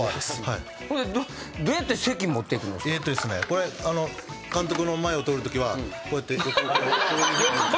これ監督の前を通るときはこうやって。